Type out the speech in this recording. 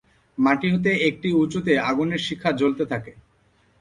মাটি হতে একটু উঁচুতে আগুনের শিখা জ্বলতে থাকে।